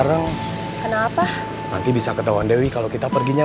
nungguan kita itu sama sama tolinya